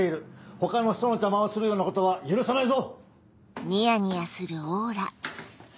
他の人の邪魔をするようなことは許さないぞ。